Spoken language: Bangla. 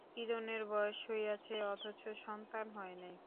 কিরণের বয়স হইয়াছে অথচ সন্তান হয় নাই।